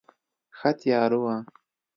ښه تیاره وه.